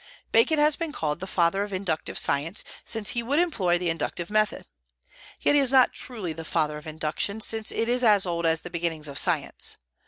Bacon has been called the father of inductive science, since he would employ the inductive method. Yet he is not truly the father of induction, since it is as old as the beginnings of science.